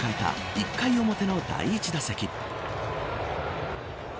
１回表の第１打席。